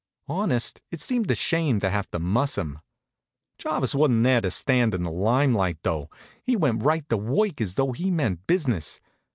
Honest, it seemed a shame to have to muss him. Jarvis wa'n't there to stand in the lime light, though. He went right to work as though he meant business.